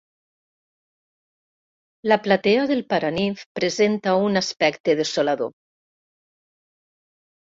La platea del paranimf presenta un aspecte desolador.